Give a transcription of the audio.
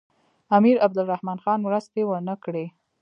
امیر عبدالرحمن خان مرستې ونه کړې.